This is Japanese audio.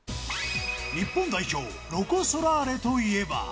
日本代表、ロコ・ソラーレといえば。